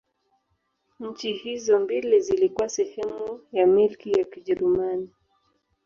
Nchi hizo mbili zilikuwa sehemu ya Milki ya Kijerumani.